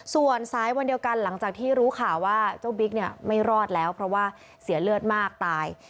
ส่วนสายวันเดียวกันหลังจากที่รู้ข่าวว่าเจ้าบิ๊กเนี่ยไม่รอดแล้วเพราะว่าเสียเลือดมากตาย